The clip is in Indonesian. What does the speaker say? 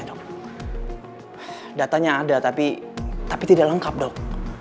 datanya ada tapi tidak lengkap dok